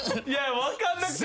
分かんなくて。